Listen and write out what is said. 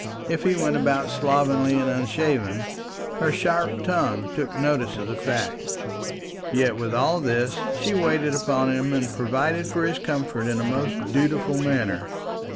If he went about slovenly and unshaven, her sharp tongue took notice of the fact. Yet with all this, she waited upon him, and provided for his comfort in a most dutiful manner.